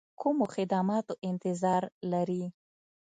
کومو خدماتو انتظار لري.